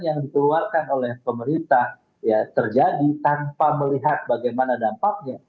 yang dikeluarkan oleh pemerintah ya terjadi tanpa melihat bagaimana dampaknya